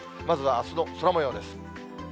まずはあすの空もようです。